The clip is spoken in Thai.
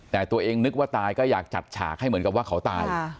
แต่ตัวเองนึกว่าตายก็อยากจัดฉากให้เหมือนกับว่าเขาตาย